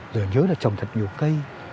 rồi nhớ là trồng thật nhiều cây